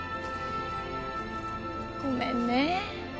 ごめんね